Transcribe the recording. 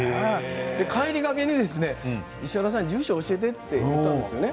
帰りがけに石原さん、住所を教えてと言ったんですよね。